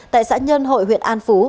tại xã nhân hội huyện an phú